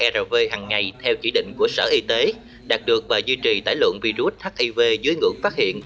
arv hằng ngày theo chỉ định của sở y tế đạt được và duy trì tải lượng virus hiv dưới ngưỡng phát hiện